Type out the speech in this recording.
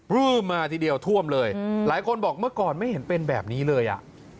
เริ่มมาทีเดียวท่วมเลยหลายคนบอกเมื่อก่อนไม่เห็นเป็นแบบนี้เลยอ่ะ